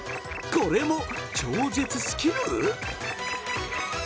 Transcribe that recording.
これも超絶スキル。